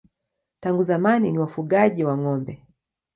Tangu zamani ni wafugaji wa ng'ombe.